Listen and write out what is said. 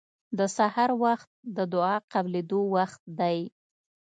د سحر وخت د دعا قبلېدو وخت دی.